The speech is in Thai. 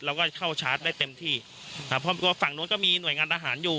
เราก็เข้าชาร์จได้เต็มที่ฝั่งโน้นก็มีหน่วยงานอาหารอยู่